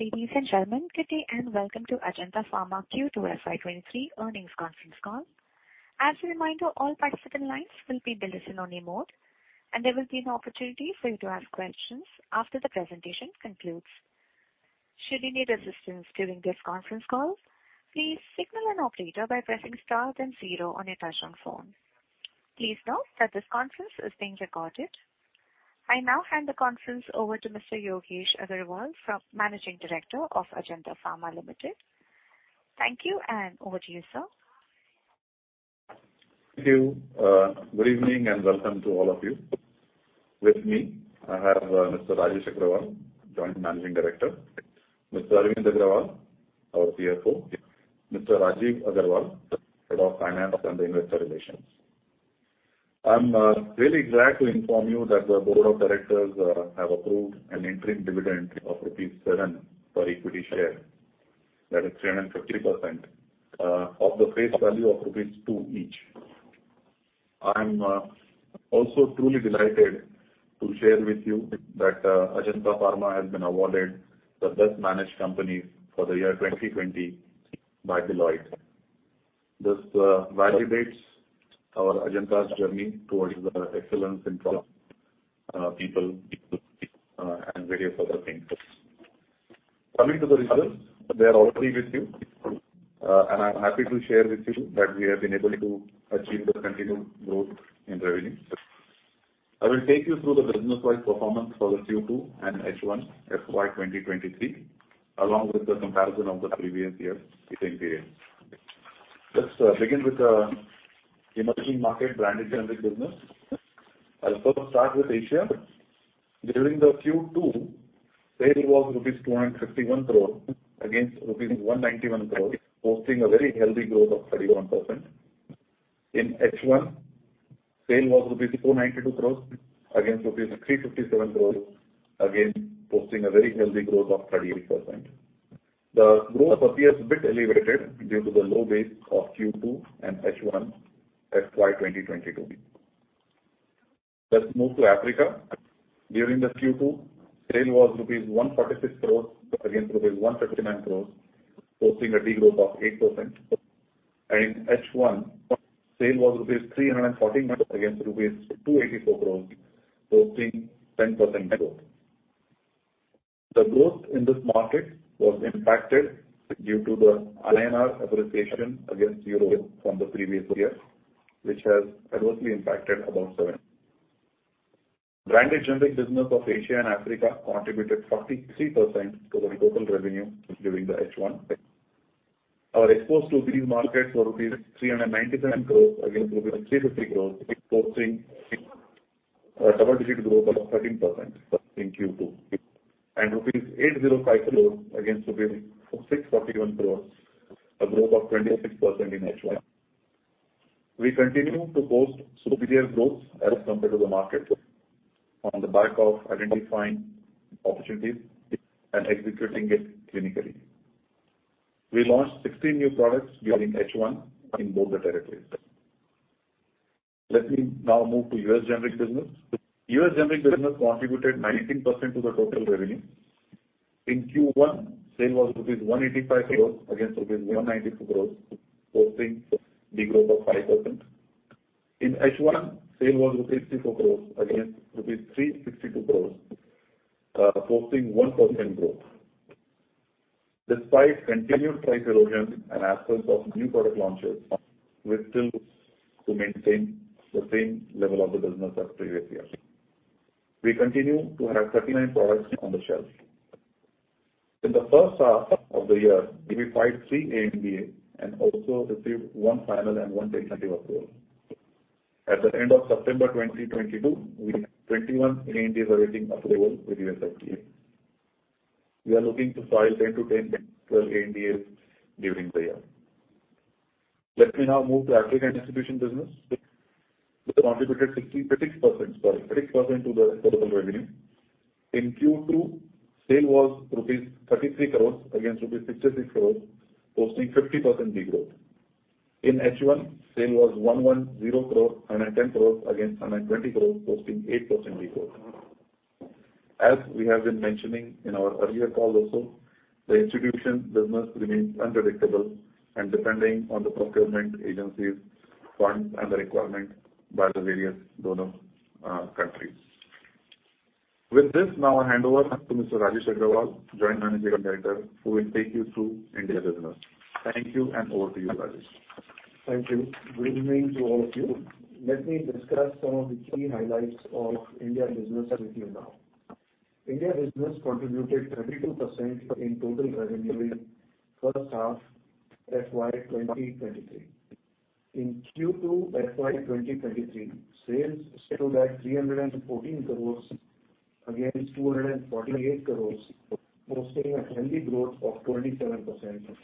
Ladies and gentlemen, good day, and welcome to Ajanta Pharma Q2 FY23 earnings conference call. As a reminder, all participant lines will be in listen-only mode, and there will be an opportunity for you to ask questions after the presentation concludes. Should you need assistance during this conference call, please signal an operator by pressing star then zero on your touchtone phone. Please note that this conference is being recorded. I now hand the conference over to Mr. Yogesh Agrawal, Managing Director of Ajanta Pharma Limited. Thank you, and over to you, sir. Thank you. Good evening and welcome to all of you. With me, I have Mr. Rajesh Agrawal, Joint Managing Director, Mr. Arvind Agrawal, our CFO, Mr. Rajeev Agarwal, Head of Finance and Investor Relations. I'm really glad to inform you that the board of directors have approved an interim dividend of rupees 7 per equity share. That is 350% of the face value of rupees 2 each. I am also truly delighted to share with you that Ajanta Pharma has been awarded the best managed company for the year 2020 by Deloitte. This validates our Ajanta's journey towards the excellence in product, people, and various other things. Coming to the results, they are already with you. I'm happy to share with you that we have been able to achieve the continued growth in revenue. I will take you through the business-wide performance for the Q2 and H1 FY 2023, along with the comparison of the previous year's same period. Let's begin with the emerging market branded generic business. I'll first start with Asia. During the Q2, sale was rupees 251 crore against rupees 191 crore, posting a very healthy growth of 31%. In H1, sale was rupees 292 crores against rupees 357 crores, again posting a very healthy growth of 38%. The growth appears a bit elevated due to the low base of Q2 and H1 FY 2022. Let's move to Africa. During the Q2, sale was rupees 146 crores against rupees 159 crores, posting a degrowth of 8%. H1 sale was INR 300 and fourteen against rupees 284 crores, posting 10% growth. The growth in this market was impacted due to the INR appreciation against euro from the previous year, which has adversely impacted our margins. Branded generic business of Asia and Africa contributed 43% to the total revenue during the H1. Our exposure to these markets were rupees 397 crores against rupees 350 crores, posting a double-digit growth of 13% in Q2, and rupees 805 crores against rupees 641 crores, a growth of 26% in H1. We continue to post superior growth as compared to the market on the back of identifying opportunities and executing it clinically. We launched 16 new products during H1 in both the territories. Let me now move to U.S. generic business. U.S. generic business contributed 19% to the total revenue. In Q1, sales were rupees 185 crores against rupees 192 crores, posting degrowth of 5%. In H1, sales were rupees 84 crores against rupees 362 crores, posting 1% growth. Despite continued price erosion and absence of new product launches, we're still to maintain the same level of the business as previous year. We continue to have 39 products on the shelf. In the first half of the year, we filed three ANDAs and also received one final and one tentative approval. At the end of September 2022, we have 21 ANDAs awaiting approval with U.S.FDA. We are looking to file 10-12 ANDAs during the year. Let me now move to Africa distribution business, which contributed 66%, sorry, 6% to the total revenue. In Q2, sales were rupees 33 crores against rupees 66 crores, posting 50% degrowth. In H1, sales were 110 crore against 120 crore, posting 8% degrowth. As we have been mentioning in our earlier call also, the institutional business remains unpredictable and depending on the procurement agencies, funds and the requirement by the various donor countries. With this, now I hand over to Mr. Rajesh Agrawal, Joint Managing Director, who will take you through India business. Thank you, and over to you, Rajesh. Thank you. Good evening to all of you. Let me discuss some of the key highlights of India business with you now. India business contributed 32% in total revenue in first half FY 2023. In Q2 FY 2023, sales stood at 314 crores against 248 crores, posting a healthy growth of 27%.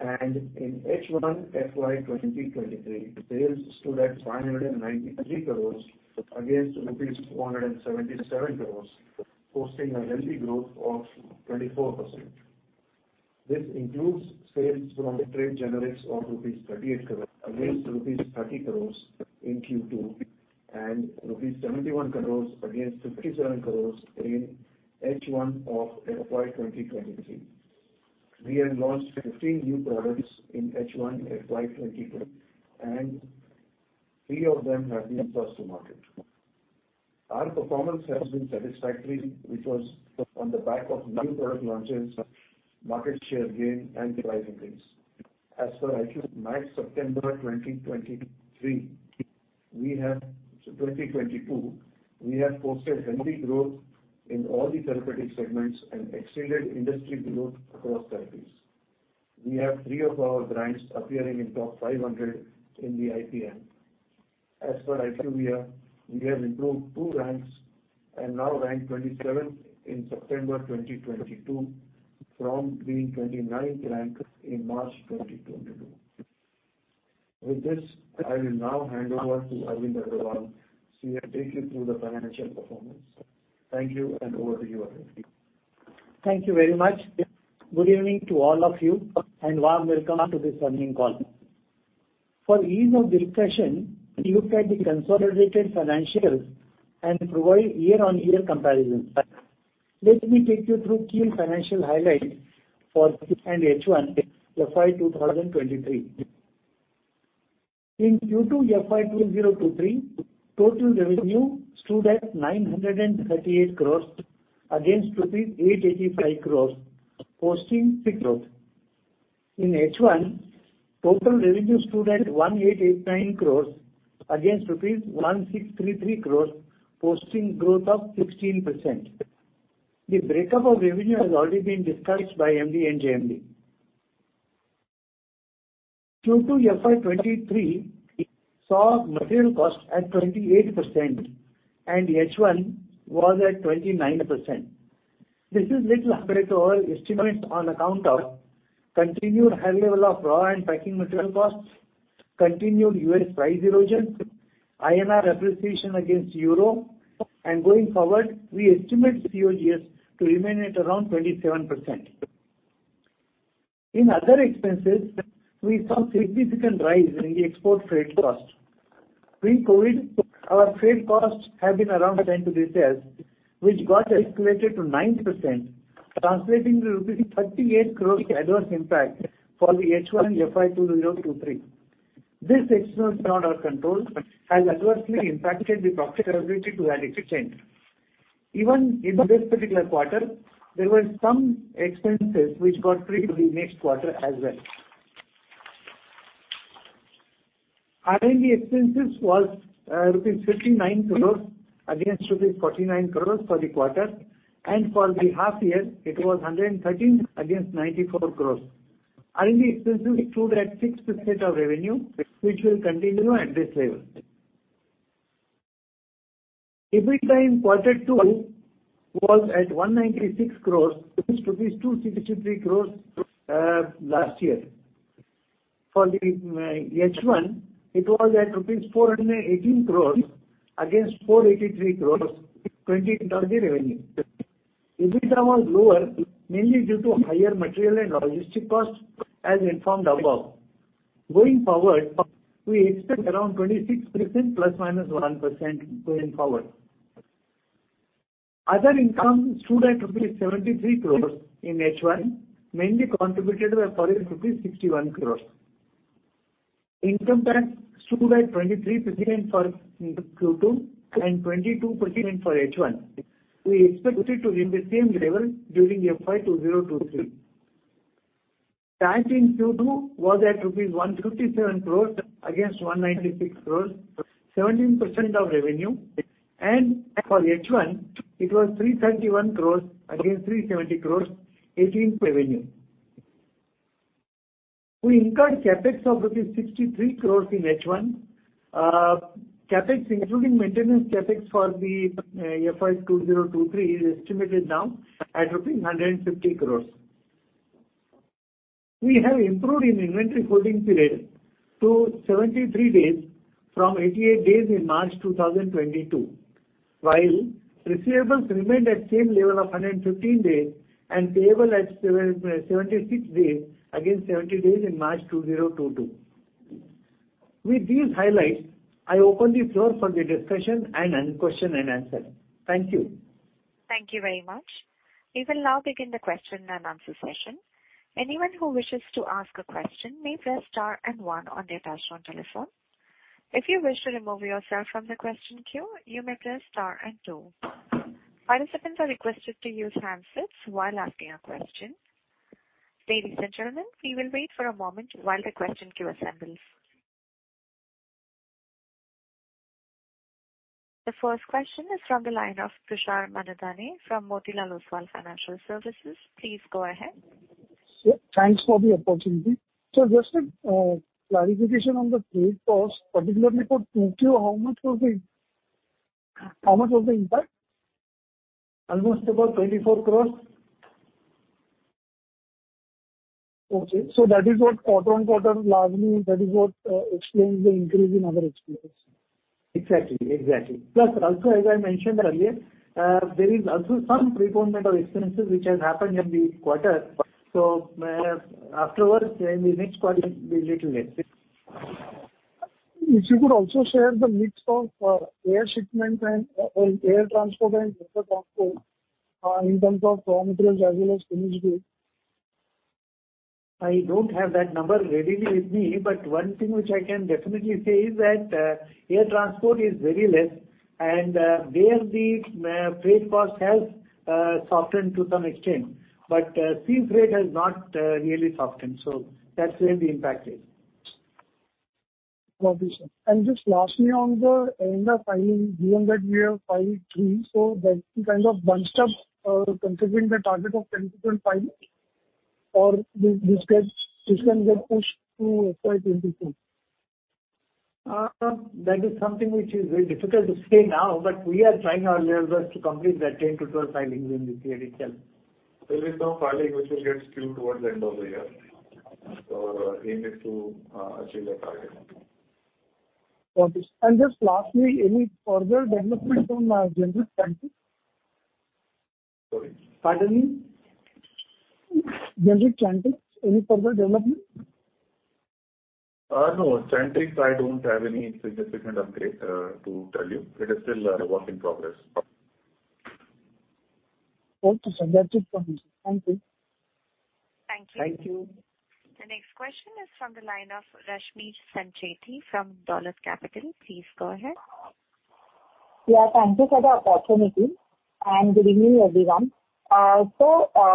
In H1 FY 2023, sales stood at 593 crores against rupees 477 crores, posting a healthy growth of 24%. This includes sales from the trade generics of rupees 38 crores against rupees 30 crores in Q2, and rupees 71 crores against 57 crores in H1 of FY 2023. We have launched 15 new products in H1 FY 2020, and 3 of them have been first to market. Our performance has been satisfactory, which was on the back of new product launches, market share gain, and price increase. As for IQVIA March, September 2022, we have posted healthy growth in all the therapeutic segments and exceeded industry growth across therapies. We have three of our brands appearing in top 500 in the IPM. As for IQVIA, we have improved two ranks and now rank 27th in September 2022 from being 29th rank in March 2022. With this, I will now hand over to Arvind Agrawal so he can take you through the financial performance. Thank you, and over to you, Arvind. Thank you very much. Good evening to all of you, and warm welcome to this earnings call. For ease of discussion, look at the consolidated financials and provide year-on-year comparison. Let me take you through key financial highlights for Q2 and H1 FY 2023. In Q2 FY 2023, total revenue stood at 938 crores against rupees 885 crores, posting 6% growth. In H1, total revenue stood at 1,889 crores against rupees 1,633 crores, posting growth of 16%. The breakup of revenue has already been discussed by MD and JMD. Q2 FY 2023 saw material cost at 28% and H1 was at 29%. This is a little higher than our estimate on account of continued high level of raw and packing material costs, continued U.S. price erosion, INR appreciation against euro. Going forward, we estimate COGS to remain at around 27%. In other expenses, we saw significant rise in the export freight cost. Pre-COVID, our freight costs have been around 1%-1%, which got escalated to 9%, translating to rupees 38 crore adverse impact for the H1 FY 2023. This expense is not in our control, has adversely impacted the profitability to a large extent. Even in this particular quarter, there were some expenses which got deferred to the next quarter as well. R&D expenses was rupees 59 crore against rupees 49 crore for the quarter, and for the half year it was 113 against 94 crore. R&D expenses stood at 6% of revenue, which will continue at this level. EBITDA in quarter two was at 196 crore against rupees 263 crore last year. For the H1, it was at rupees 418 crores against 483 crores, 20% of the revenue. EBITDA was lower, mainly due to higher material and logistics costs, as informed above. Going forward, we expect around 26% ±1% going forward. Other income stood at rupees 73 crores in H1, mainly contributed by foreign rupees 61 crores. Income tax stood at 23% for Q2 and 22% for H1. We expect it to remain the same level during FY 2023. Tax in Q2 was at INR 157 crores against 196 crores, 17% of revenue. For H1 it was 331 crores against 370 crores, 18% revenue. We incurred CapEx of rupees 63 crores in H1. CapEx, including maintenance CapEx for the FY 2023 is estimated now at rupees 150 crore. We have improved in inventory holding period to 73 days from 88 days in March 2022. While receivables remained at same level of 115 days, and payables at 76 days against 70 days in March 2022. With these highlights, I open the floor for the discussion and then question and answer. Thank you. Thank you very much. We will now begin the question and answer session. Anyone who wishes to ask a question may press star and one on their touchtone telephone. If you wish to remove yourself from the question queue, you may press star and two. Participants are requested to use handsets while asking a question. Ladies and gentlemen, we will wait for a moment while the question queue assembles. The first question is from the line of Tushar Manudhane from Motilal Oswal Financial Services. Please go ahead. Sure. Thanks for the opportunity. Just a clarification on the freight cost, particularly for Q2, how much was the impact? Almost about INR 24 crore. Okay. That is what quarter-on-quarter largely explains the increase in other expenses. Exactly, exactly. Plus also, as I mentioned earlier, there is also some prepayment of expenses which has happened in this quarter. Afterward, in the next quarter it will be little less. If you could also share the mix of air shipment and air transport and water transport in terms of raw materials as well as finished goods? I don't have that number readily with me, but one thing which I can definitely say is that, air transport is very less, and there, the freight cost has softened to some extent. Sea freight has not really softened, so that's where the impact is. Copy, sir. Just lastly, on the ANDA filing, given that we have filed 3, so that is kind of bunched up, considering the target of 10-12 filings? Or this can get pushed to FY 2022? That is something which is very difficult to say now, but we are trying our level best to complete that 10-12 filings within this year itself. There is no filing which will get skewed towards the end of the year. Our aim is to achieve that target. Copy. Just lastly, any further development on generic Chantix? Sorry. Pardon me? Generic Chantix, any further development? No. Chantix, I don't have any significant update to tell you. It is still a work in progress. Okay, sir. That's it from me, sir. Thank you. Thank you. Thank you. The next question is from the line of Rashmi Sancheti from Dolat Capital. Please go ahead. Yeah, thank you for the opportunity, and good evening, everyone.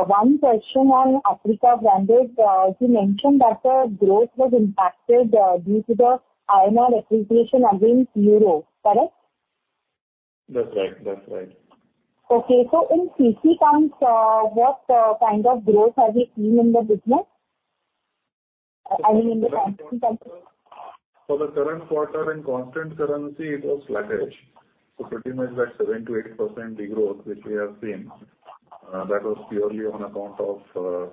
One question on Africa branded. You mentioned that the growth was impacted due to the INR appreciation against euro, correct? That's right, that's right. Okay. In CC terms, what kind of growth are we seeing in the business? I mean, in the constant currency. For the current quarter in constant currency, it was flattish. Pretty much that 7%-8% degrowth which we have seen, that was purely on account of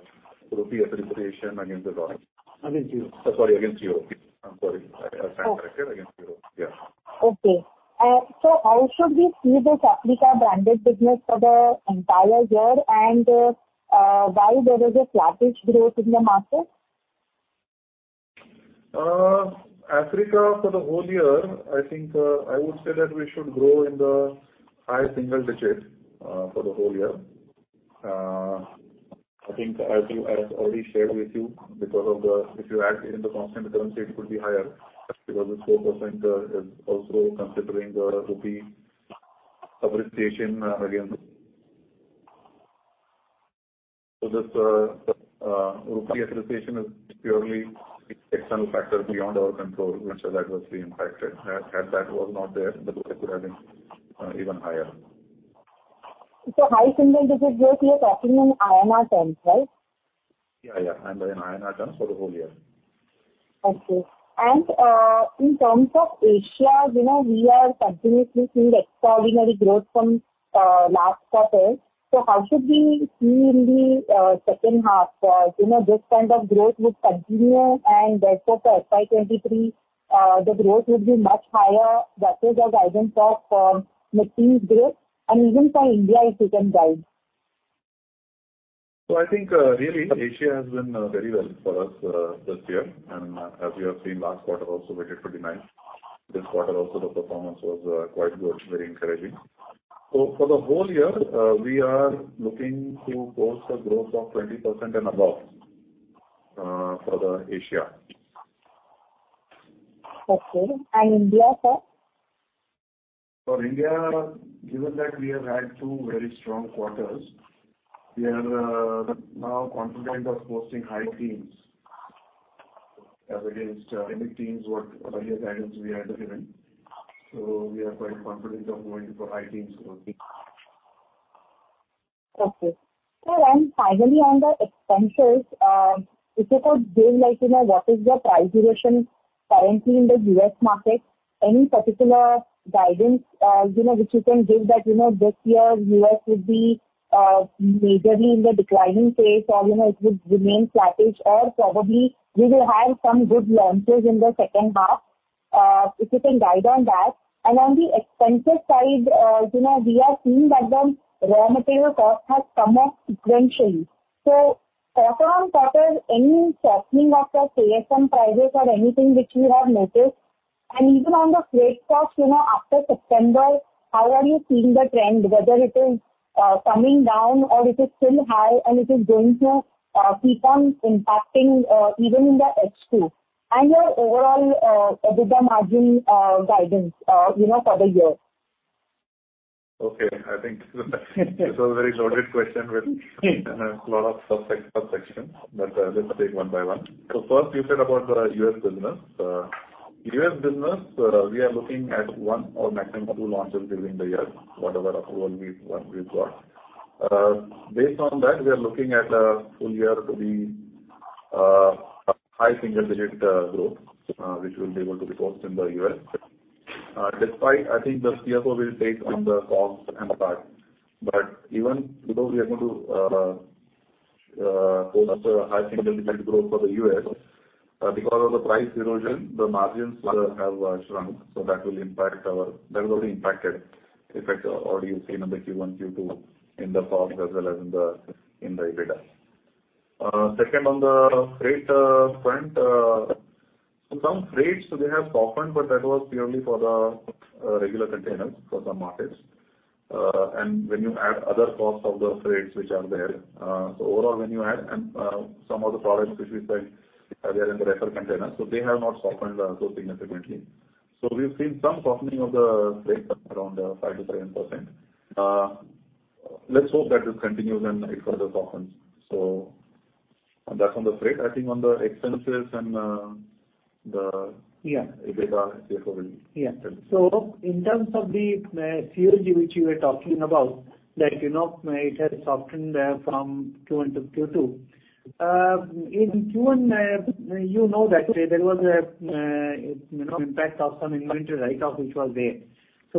rupee appreciation against the dollar. Against euro. Sorry, against euro. I'm sorry. I stand corrected. Oh. Against euro. Yeah. Okay. How should we see this Africa branded business for the entire year? Why there is a flattish growth in the market? Africa for the whole year, I think, I would say that we should grow in the high single digits for the whole year. I think as already shared with you, because if you add in the constant currency, it could be higher, because the 4% is also considering the rupee appreciation against. This rupee appreciation is purely external factor beyond our control, which that was the impact it had. Had that was not there, the growth could have been even higher. High single-digit growth, you're talking in INR terms, right? Yeah, yeah. I'm in INR terms for the whole year. Okay. In terms of Asia, you know, we are continuously seeing extraordinary growth from last quarter. How should we see in the second half? You know, this kind of growth would continue and therefore for FY 2023, the growth would be much higher versus the guidance of mid-teen growth. Even for India, if you can guide. I think, really Asia has been very well for us this year. As we have seen last quarter also we did pretty nice. This quarter also the performance was quite good, very encouraging. For the whole year, we are looking to post a growth of 20% and above, for the Asia. Okay. India, sir? For India, given that we have had two very strong quarters, we are now confident of posting high teens as against mid-teens what earlier guidance we had given. We are quite confident of going for high teens growth. Okay. Sir, finally on the expenses, if you could give like, you know, what is the price erosion currently in the U.S. market? Any particular guidance, you know, which you can give that, you know, this year U.S. would be, majorly in the declining phase or, you know, it would remain flattish or probably we will have some good launches in the second half. If you can guide on that. On the expenses side, you know, we are seeing that the raw material cost has come up exponentially. So quarter-on-quarter, any sharpening of the API prices or anything which you have noticed? Even on the freight cost, you know, after September, how are you seeing the trend? Whether it is coming down or it is still high and it is going to keep on impacting even in the H2? And your overall EBITDA margin guidance, you know, for the year. Okay. I think this was a very loaded question with a lot of subsections. Let me take one by one. First you said about the U.S. business. U.S. business, we are looking at one or maximum two launches during the year, whatever approval we've got. Based on that, we are looking at full year to be a high single-digit growth which we'll be able to post in the U.S. Despite, I think the CFO will take on the COGS and the part. Even because we are going to, so that's a high single-digit growth for the U.S. Because of the price erosion, the margins have shrunk, so that will impact our. That has already impacted the effect already you've seen on the Q1, Q2 in the past as well as in the EBITDA. Second on the freight front. Some freights they have softened, but that was purely for the regular containers for some markets. When you add other costs of the freights which are there, overall when you add, some of the products which we sell, they are in the reefer containers, so they have not softened so significantly. We've seen some softening of the freight around 5%-7%. Let's hope that this continues and it further softens. That's on the freight. I think on the expenses and the- Yeah. EBITDA therefore will be impacted. Yeah. In terms of the COG which you were talking about, that, you know, it has softened from Q1 to Q2. In Q1, you know that there was, you know, impact of some inventory write-off which was there.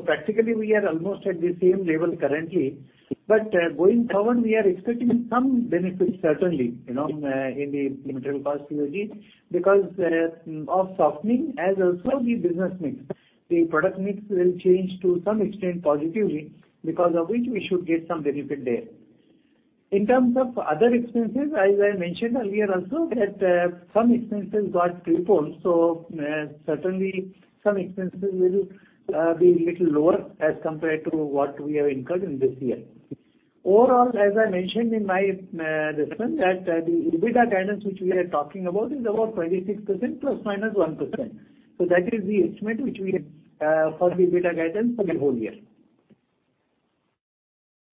Practically, we are almost at the same level currently. Going forward, we are expecting some benefits certainly, you know, in the material cost COG because of softening as also the business mix. The product mix will change to some extent positively, because of which we should get some benefit there. In terms of other expenses, as I mentioned earlier also, that some expenses got preponed. Certainly some expenses will be little lower as compared to what we have incurred in this year. Overall, as I mentioned in my response that the EBITDA guidance which we are talking about is about 26% ± 1%. That is the estimate which we had for the EBITDA guidance for the whole year. Thanks.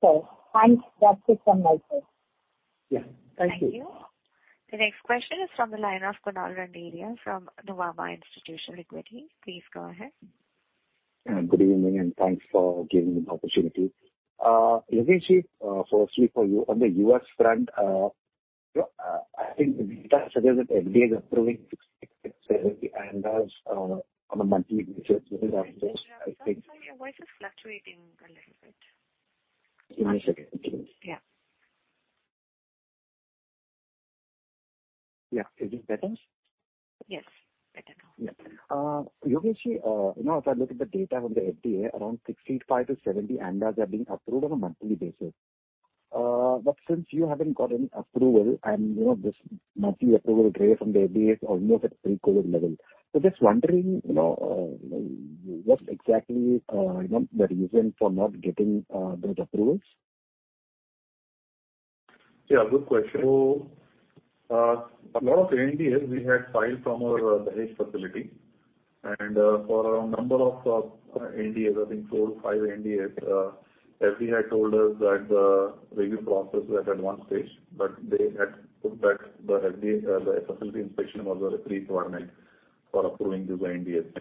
That's it from my side. Yeah. Thank you. Thank you. The next question is from the line of Kunal Randeria from Motilal Oswal Institutional Equities. Please go ahead. Good evening, and thanks for giving me the opportunity. Yogeshji, firstly for you on the U.S. front, I think the data suggests that FDA is approving 6-7 ANDAs on a monthly basis. Sorry, your voice is fluctuating a little bit. Give me a second, please. Yeah. Yeah. Is this better? Yes, better now. Yogesh Agrawal, you know, if I look at the data from the FDA, around 65-70 ANDAs are being approved on a monthly basis. But since you haven't got any approval and, you know, this monthly approval rate from the FDA is almost at pre-COVID level. Just wondering, you know, what exactly, you know, the reason for not getting those approvals? Yeah, good question. A lot of ANDAs we had filed from our Dahej facility. For a number of ANDAs, I think four, five ANDAs, FDA told us that the review process was at one stage, but the facility inspection was a pre-requirement for approving these ANDAs.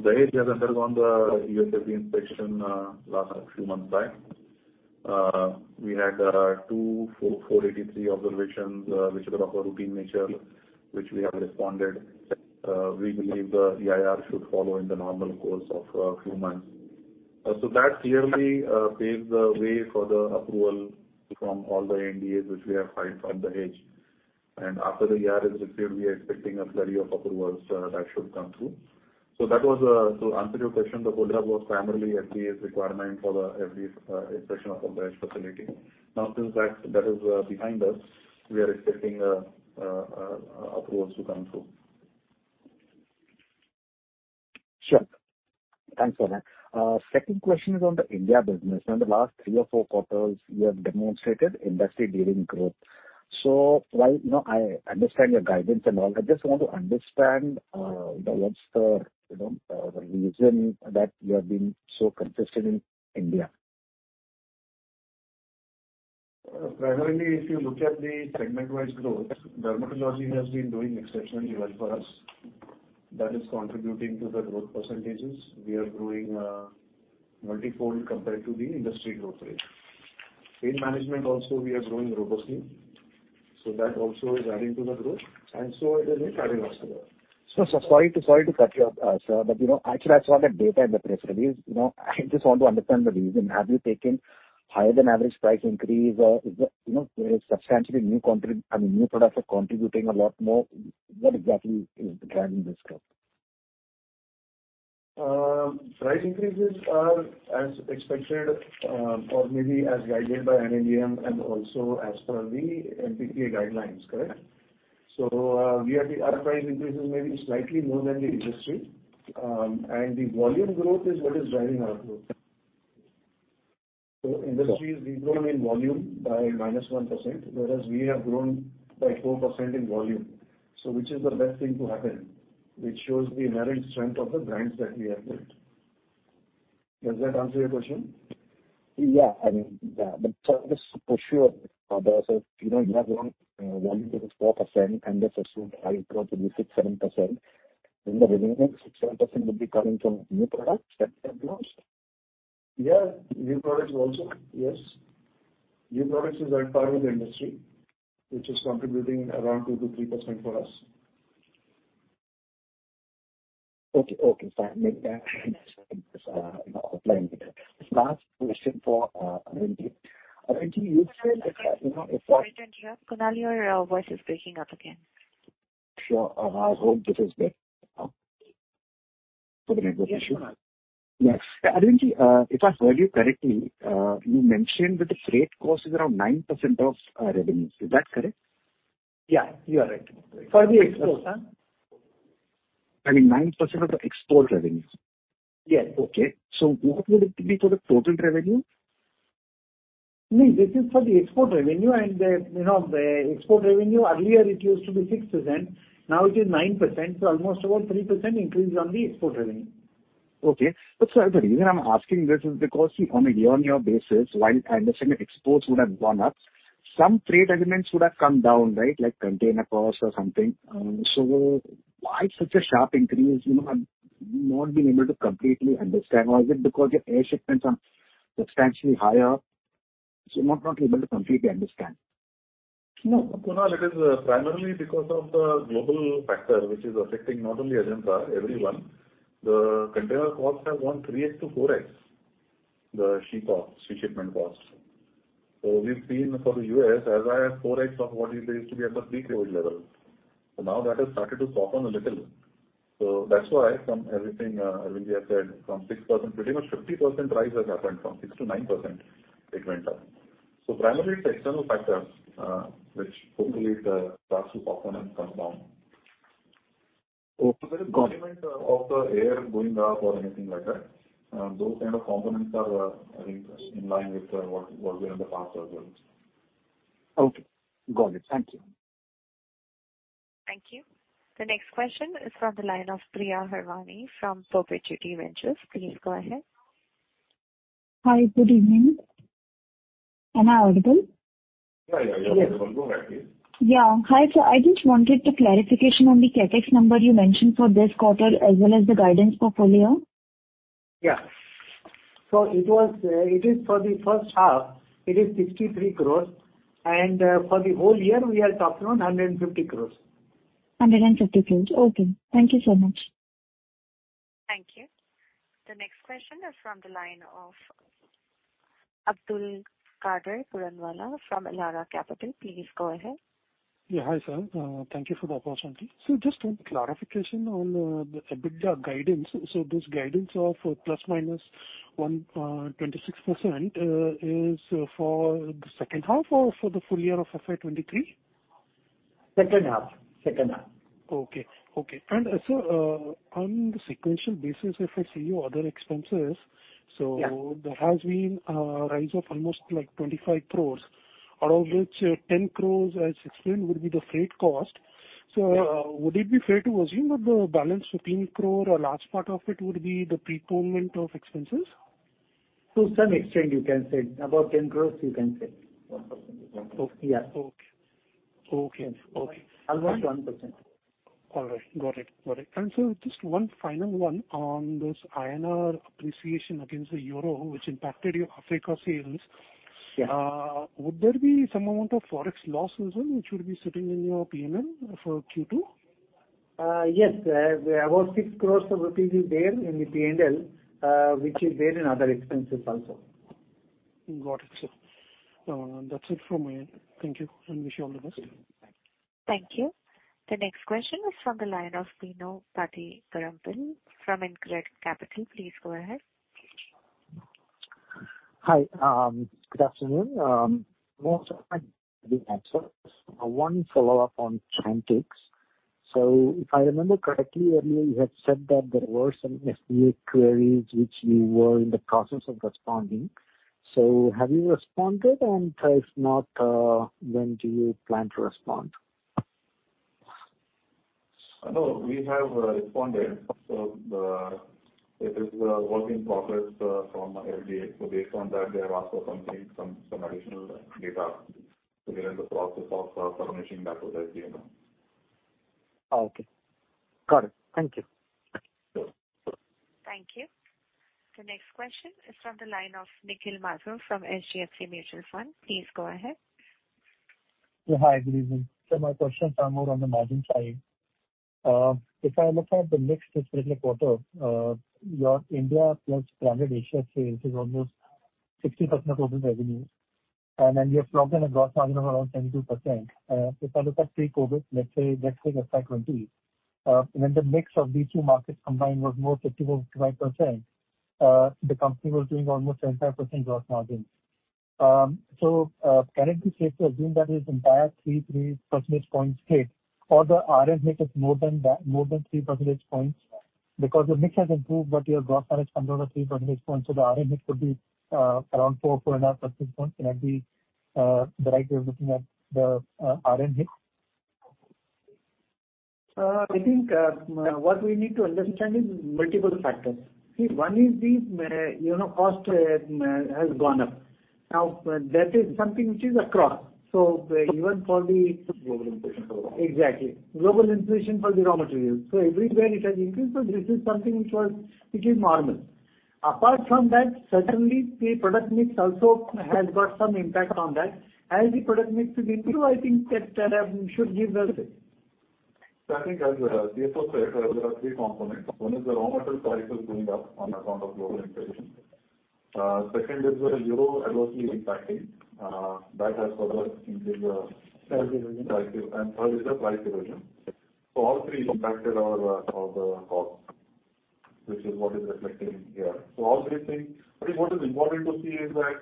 Dahej has undergone the U.S. FDA inspection last few months back. We had 2 Form 483 observations, which were of a routine nature, which we have responded. We believe the EIR should follow in the normal course of a few months. That clearly paves the way for the approval from all the ANDAs which we have filed from Dahej. After the EIR is received, we are expecting a flurry of approvals that should come through. That was to answer your question, the holdup was primarily FDA's requirement for the FDA inspection of the Dahej facility. Now since that is behind us, we are expecting approvals to come through. Sure. Thanks for that. Second question is on the India business. In the last three or four quarters, you have demonstrated industry-leading growth. While, you know, I understand your guidance and all, I just want to understand what's the, you know, the reason that you have been so consistent in India. Primarily if you look at the segment-wise growth, dermatology has been doing exceptionally well for us. That is contributing to the growth percentages. We are growing multifold compared to the industry growth rate. Pain management also we are growing robustly, so that also is adding to the growth, and so is the niche adding also. Sorry to cut you off, sir, but, you know, actually I saw that data in the press release. You know, I just want to understand the reason. Have you taken higher than average price increase or is the, you know, there is substantially new, I mean, new products are contributing a lot more? What exactly is driving this growth? Price increases are as expected, or maybe as guided by NLEM and also as per the NPPA guidelines, correct? We have the RPI increases maybe slightly more than the industry. The volume growth is what is driving our growth. Industry is de-growing in volume by -1%, whereas we have grown by 4% in volume. Which is the best thing to happen, which shows the inherent strength of the brands that we have built. Does that answer your question? Yeah. I mean, yeah. Just for sure, so you know, you have grown volume to 4% and let's assume RPI growth will be 6%-7%. The remaining 6%-7% will be coming from new products that you have launched? Yeah, new products also. Yes. New products is at par with the industry, which is contributing around 2%-3% for us. Okay, okay, fine. Make that, you know, offline with that. Last question for, Arvind Agrawal. Arvind Agrawal, you said that, you know, if I- Sorry, turn here. Kunal, your voice is breaking up again. Sure. I hope this is better now for the next question. Yes, sure. Yes. Arvindji, if I heard you correctly, you mentioned that the freight cost is around 9% of revenues. Is that correct? Yeah, you are right. For the exports, huh? I mean 9% of the export revenues. Yes. Okay. What would it be for the total revenue? No, this is for the export revenue. The, you know, the export revenue, earlier it used to be 6%, now it is 9%, so almost about 3% increase on the export revenue. Okay. Sir, the reason I'm asking this is because year-on-year basis, while I understand that exports would have gone up, some trade elements would have come down, right? Like container costs or something. Why such a sharp increase? You know, I'm not being able to completely understand. Or is it because your air shipments are substantially higher? I'm not able to completely understand. No. Kunal, it is primarily because of the global factor which is affecting not only Ajanta, everyone. The container costs have gone 3x-4x, the ship costs, the shipment costs. We've seen for the U.S. as high as 4x of what it used to be at the pre-COVID level. Now that has started to soften a little. That's why from everything Arvindji has said, from 6%, pretty much 50% rise has happened. From 6%-9% it went up. Primarily it's external factors which hopefully starts to soften and come down. Okay, got it. There is no element of the raw going up or anything like that. Those kind of components are, I think, in line with what we had in the past as well. Okay. Got it. Thank you. Thank you. The next question is from the line of Priya Harwani from Perpetuity Ventures. Please go ahead. Hi. Good evening. Am I audible? Yeah, yeah, you're audible. Go ahead, please. Yeah. Hi. I just wanted the clarification on the CapEx number you mentioned for this quarter as well as the guidance for full year. It is for the first half 63 crore. For the whole year, we are targeting 150 crore. 150 crore. Okay. Thank you so much. Thank you. The next question is from the line of Abdulkader Puranwala from Elara Capital. Please go ahead. Yeah. Hi, sir. Thank you for the opportunity. Just one clarification on the EBITDA guidance. This guidance of ±126% is for the second half or for the full year of FY 2023? Second half. Okay. On the sequential basis, if I see your other expenses. Yeah. There has been a rise of almost like 25 crore, out of which, 10 crore as explained would be the freight cost. Yeah. Would it be fair to assume that the balance 15 crore or large part of it would be the pre-payment of expenses? To some extent you can say. About 10 crore you can say. 1%. Yeah. Okay. Almost 1%. All right. Got it. Just one final one on this INR appreciation against the euro which impacted your Africa sales. Yeah. Would there be some amount of Forex loss also which would be sitting in your P&L for Q2? Yes. About 6 crore rupees is there in the P&L, which is there in other expenses also. Got it, sir. That's it from my end. Thank you and wish you all the best. Thank you. Thank you. The next question is from the line of Vinod Pattabiraman from InCred Capital. Please go ahead. Hi. Good afternoon. One follow-up on Chantix. If I remember correctly, earlier you had said that there were some FDA queries which you were in the process of responding. Have you responded? And if not, when do you plan to respond? No, we have responded. It is work in progress from FDA. Based on that, they have asked for something, some additional data. We are in the process of submitting that with FDA now. Okay. Got it. Thank you. Sure, sure. Thank you. The next question is from the line of Nikhil Mathur from HDFC Mutual Fund. Please go ahead. Hi. Good evening. My questions are more on the margin side. If I look at the mix this particular quarter, your India plus Greater Asia sales is almost 60% of total revenue. And then you have spoken of gross margin of around 72%. If I look at pre-COVID, let's say FY 2020, when the mix of these two markets combined was more 50%-55%, the company was doing almost 75% gross margin. Can it be safe to assume that the entire 3 percentage points hit or the RM hit is more than that, more than 3 percentage points? Because your mix has improved, but your gross margin is under 3 percentage points, so the RM hit could be around 4-4.5 percentage points. Can it be the right way of looking at the R&M hit? I think what we need to understand is multiple factors. See, one is the, you know, cost has gone up. Now, that is something which is across. Even for the Global inflation. Exactly. Global inflation for the raw materials. Everywhere it has increased. This is something which is normal. Apart from that, certainly the product mix also has got some impact on that. As the product mix will improve, I think that should give the I think as CSO said, there are three components. One is the raw material prices going up on account of global inflation. Second is the euro adversely impacting, that has further increased the, Price division. Price division. Third is the price division. All three impacted our costs, which is what is reflecting here. All three things. I think what is important to see is that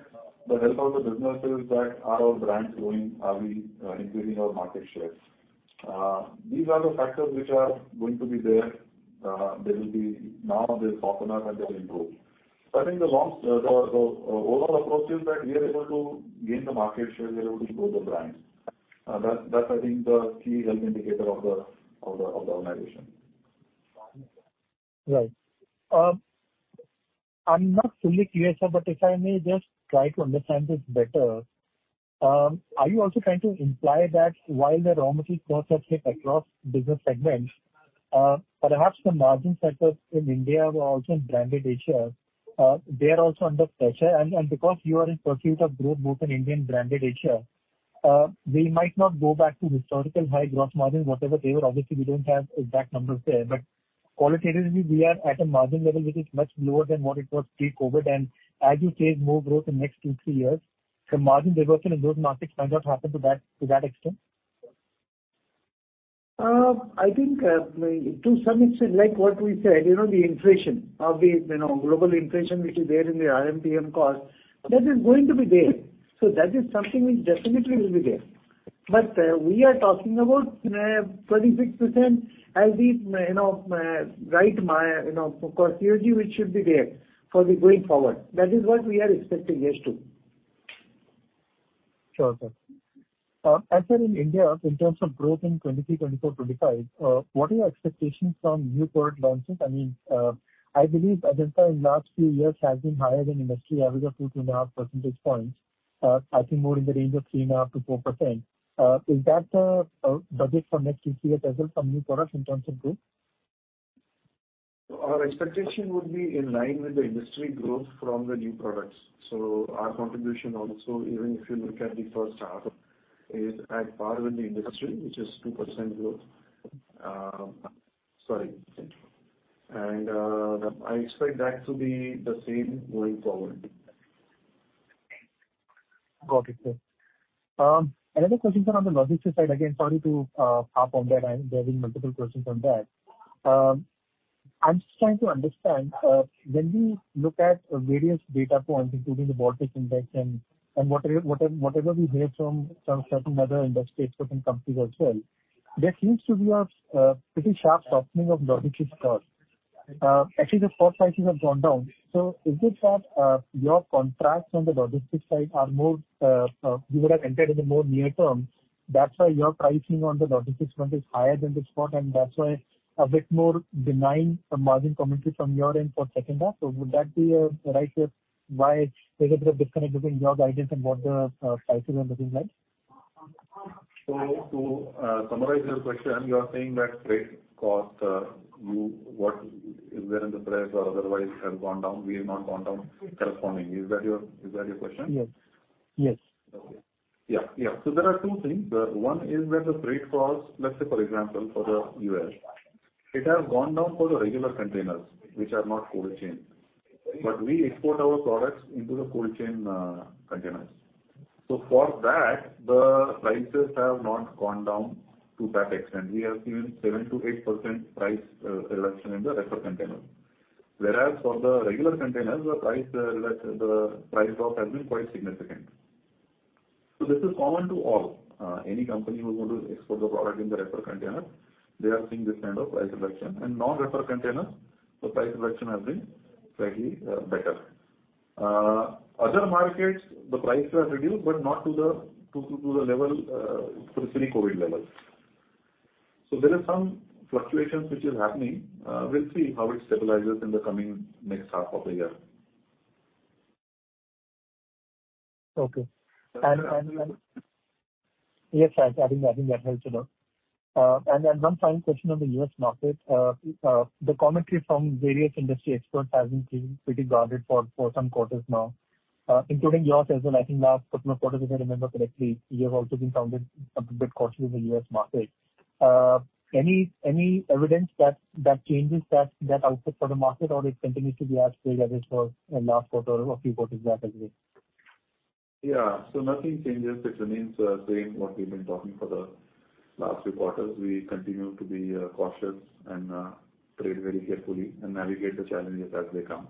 the health of the business is. Are our brands growing? Are we increasing our market share? These are the factors which are going to be there. There will be. Now the bottom line is that they've improved. I think the long-term overall approach is that we are able to gain the market share, we are able to grow the brands. That's, I think, the key health indicator of the organization. Right. I'm not fully clear, sir, but if I may just try to understand this better. Are you also trying to imply that while the raw material costs have hit across business segments, perhaps the margin sectors in India were also in branded Asia, they are also under pressure? Because you are in pursuit of growth both in India and branded Asia, we might not go back to historical high gross margin, whatever they were. Obviously, we don't have exact numbers there. Qualitatively, we are at a margin level which is much lower than what it was pre-COVID. As you chase more growth in next 2, 3 years, the margin diversion in those markets might not happen to that extent. I think, to some extent, like what we said, you know, the inflation, obviously, you know, global inflation which is there in the RMPM cost, that is going to be there. That is something which definitely will be there. We are talking about, 26% as the, you know, right, you know, COG, which should be there for the way forward. That is what we are expecting, yes, too. Sure, sir. As is in India, in terms of growth in 2023, 2024, 2025, what are your expectations from new product launches? I mean, I believe Ajanta in last few years has been higher than industry average of 2.5 percentage points, I think more in the range of 3.5%-4%. Is that budgeted for next fiscal as well from new products in terms of growth? Our expectation would be in line with the industry growth from the new products. Our contribution also, even if you look at the first half, is at par with the industry, which is 2% growth. I expect that to be the same going forward. Got it, sir. Another question, sir, on the logistics side. Again, sorry to harp on that. I'm having multiple questions on that. I'm just trying to understand when we look at various data points, including the Baltic Dry Index and whatever we hear from some certain other industry experts and companies as well, there seems to be a pretty sharp softening of logistics costs. Actually the spot prices have gone down. Is it that your contracts on the logistics side are more, you would have entered in the more near term. That's why your pricing on the logistics front is higher than the spot, and that's why a bit more benign margin commentary from your end for second half. Would that be a right way why there's a bit of disconnect between your guidance and what the prices and things like? To summarize your question, you are saying that freight costs, what is there in the press or otherwise have gone down, we have not gone down corresponding. Is that your question? Yes. Yes. Okay. Yeah, yeah. There are two things. The one is that the freight costs, let's say for example, for the U.S., it has gone down for the regular containers, which are not cold chain. We export our products into the cold chain containers. The prices have not gone down to that extent. We have seen 7%-8% price reduction in the reefer containers. Whereas for the regular containers, the price drop has been quite significant. This is common to all. Any company who want to export the product in the reefer container, they are seeing this kind of price reduction. Non-reefer containers, the price reduction has been slightly better. Other markets, the prices are reduced, but not to the level to the pre-COVID levels. There are some fluctuations which is happening. We'll see how it stabilizes in the coming next half of the year. Okay. Is there any other? Yes, I think that helps a lot. One final question on the U.S. market. The commentary from various industry experts has been pretty guarded for some quarters now, including yours as well. I think last quarter, if I remember correctly, you sounded a bit cautious in the U.S. market. Any evidence that changes that outlook for the market, or it continues to be as bad as it was in last quarter or a few quarters back as well? Yeah. Nothing changes. It remains same what we've been talking for the last few quarters. We continue to be cautious and trade very carefully and navigate the challenges as they come.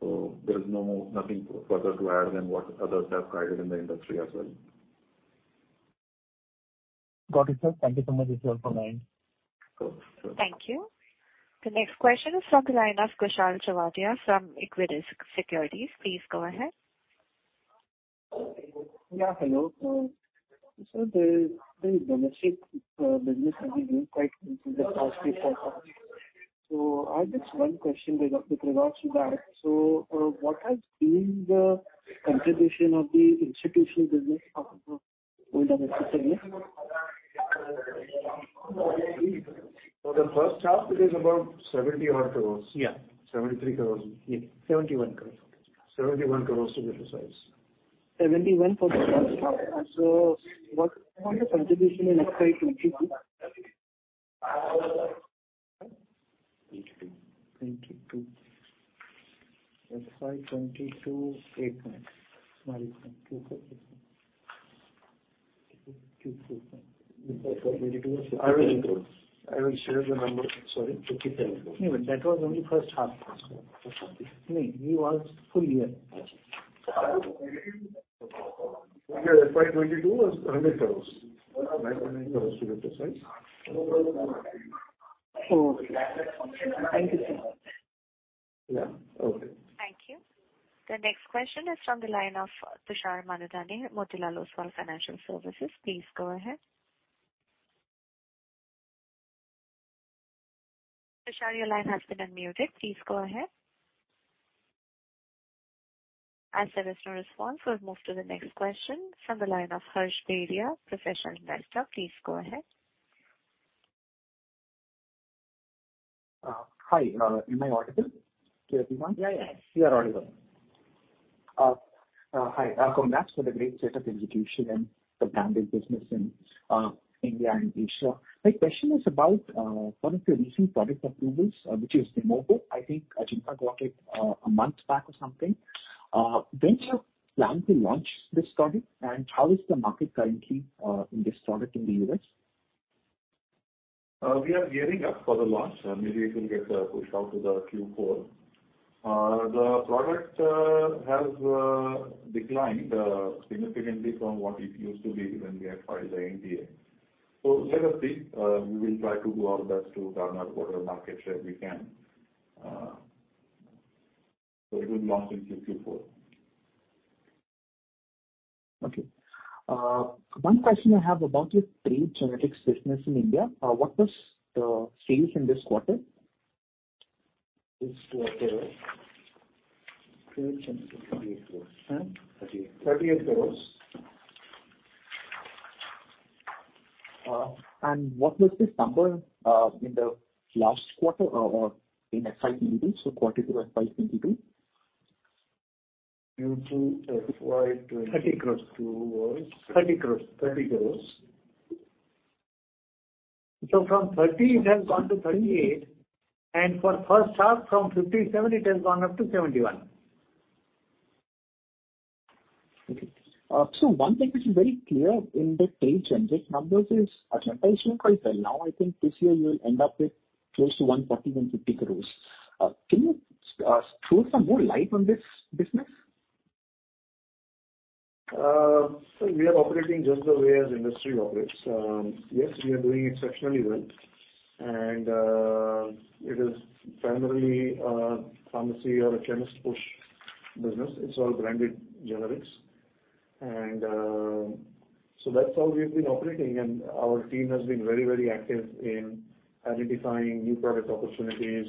There is nothing further to add than what others have guided in the industry as well. Got it, sir. Thank you so much. It's helpful knowing. Sure, sure. Thank you. The next question is from Kushal Chavda from Equirus Securities. Please go ahead. Hello. Sir, the domestic business has been doing quite well in the past few quarters. I have just one question with regards to that. What has been the contribution of the institutional business of the whole domestic business? For the first half, it is about 70-odd crore. Yeah. 73 crore. Yeah. 71 crores. 71 crore to be precise. 71 for the first half. What was the contribution in FY 2022? 22. FY 2022, 8 point small. I will share the number. Sorry. No, that was only first half. First half, yeah. No, it was full year. FY22 was INR 100 crores. INR 100 crores to be precise. Okay. Thank you, sir. Yeah. Okay. Thank you. The next question is from the line of Tushar Manudhane, Motilal Oswal Financial Services. Please go ahead. Tushar, your line has been unmuted. Please go ahead. As there is no response, we'll move to the next question from the line of Harsh Beria, Professional Investor. Please go ahead. Hi. Am I audible to everyone? Yeah, yeah. You are audible. Hi. Congrats for the great set of execution and the branded business in India and Asia. My question is about one of your recent product approvals, which is Vimovo. I think Ajanta got it a month back or something. When do you plan to launch this product, and how is the market currently in this product in the U.S.? We are gearing up for the launch, and maybe it will get pushed out to the Q4. The product has declined significantly from what it used to be when we had filed the NDA. Let us see. We will try to do our best to garner whatever market share we can. It will launch in Q4. Okay. One question I have about your trade generics business in India, what was the sales in this quarter? This quarter INR 38 crore. What was this number in the last quarter or in FY 2022, so Q2 FY 2022? Q2 FY 2022 was INR 30 crore. INR 30 crore. INR 30 crores. From 30 it has gone to 38, and for first half from 57 it has gone up to 71. One thing which is very clear in the trade generic numbers is Ajanta is doing quite well. Now, I think this year you will end up with close to 130 crore-150 crore. Can you throw some more light on this business? We are operating just the way as industry operates. Yes, we are doing exceptionally well, and it is primarily pharmacy or a chemist push business. It's all branded generics. That's how we've been operating. Our team has been very, very active in identifying new product opportunities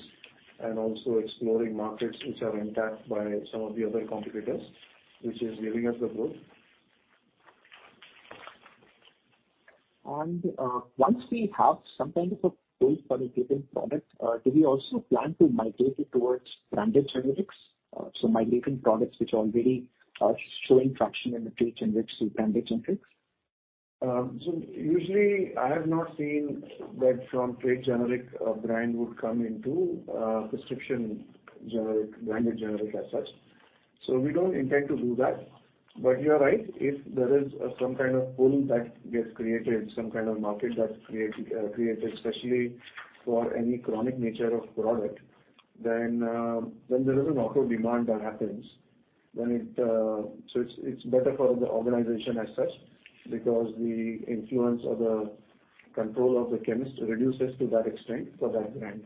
and also exploring markets which are untapped by some of the other competitors, which is giving us the growth. Once we have some kind of a pool for a given product, do we also plan to migrate it towards branded generics? Migrating products which already are showing traction in the trade generics to branded generics. Usually, I have not seen that from trade generic a brand would come into prescription generic, branded generic as such. We don't intend to do that. You are right. If there is some kind of pool that gets created, some kind of market that's created, especially for any chronic nature of product, then there is an auto demand that happens when it. It's better for the organization as such because the influence or the control of the chemist reduces to that extent for that brand.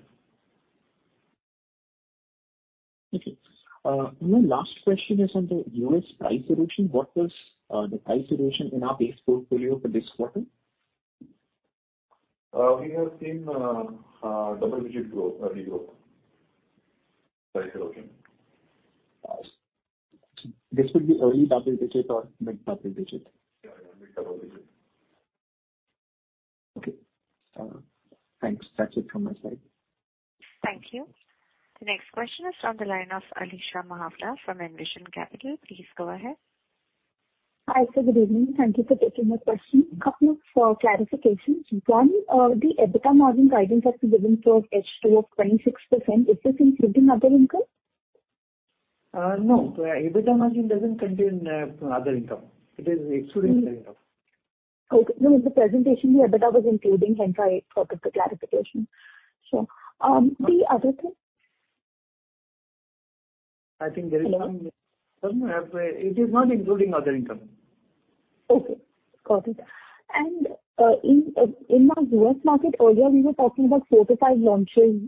Okay. My last question is on the U.S. price erosion. What was the price erosion in our base portfolio for this quarter? We have seen a double-digit growth, price erosion. This would be early double digit or mid double digit? Yeah. Mid double-digit. Okay. Thanks. That's it from my side. Thank you. The next question is from the line of Alisha Mahawala from Envision Capital. Please go ahead. Hi, sir. Good evening. Thank you for taking my question. A couple of clarifications. One, the EBITDA margin guidance that you've given for H2 of 26%, is this including other income? No. EBITDA margin doesn't contain other income. It is excluding the income. Okay. No, in the presentation the EBITDA was including. Hence I thought of the clarification. The other thing. No, it is not including other income. Okay. Got it. In my U.S. market earlier we were talking about four to five launches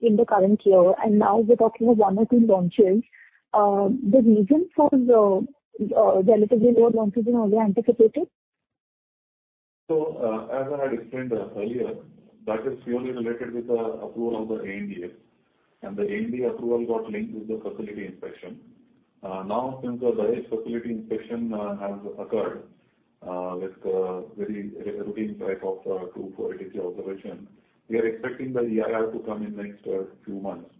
in the current year, and now we're talking of one or two launches. The reason for the relatively lower launches than earlier anticipated? As I had explained earlier, that is purely related with the approval of the ANDAs. The ANDA approval got linked with the facility inspection. Now since the facility inspection has occurred with very routine type of tool for observation, we are expecting the EIR to come in next few months.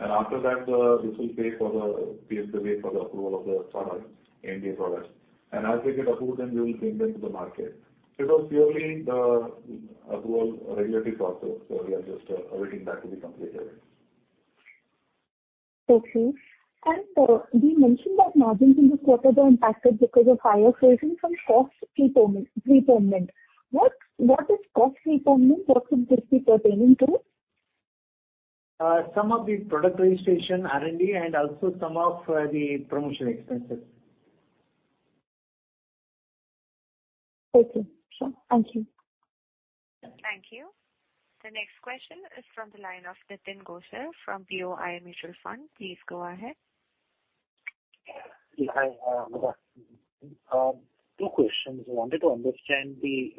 After that, this will pave the way for the approval of the product, ANDA product. As we get approved, then we will bring them to the market. It was purely the approval regulatory process. We are just awaiting that to be completed. Okay. You mentioned that margins in this quarter were impacted because of higher sourcing from cost prepayment. What is cost prepayment? What could this be pertaining to? Some of the product registration, R&D, and also some of the promotion expenses. Okay, sure. Thank you. Thank you. The next question is from the line of Nitin Gosar from BOI Mutual Fund. Please go ahead. Yeah, hi. Good afternoon. Two questions. I wanted to understand the